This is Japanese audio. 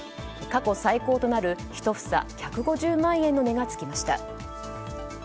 過去最高となる１房１５０万円の値が付きました。